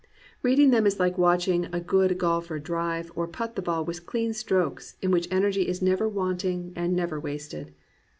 Read ing them is like watching a good golfer drive or putt the ball with clean strokes in which energy is never wanting and never wasted.